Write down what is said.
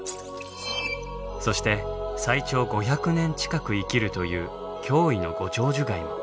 そして最長５００年近く生きるという驚異の「ご長寿貝」も。